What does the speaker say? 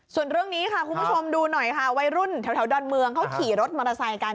ส่วนเรื่องนี้ค่ะคุณผู้ชมดูหน่อยค่ะวัยรุ่นแถวดอนเมืองเขาขี่รถมอเตอร์ไซค์กัน